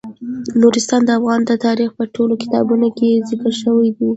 نورستان د افغان تاریخ په ټولو کتابونو کې ذکر شوی دی.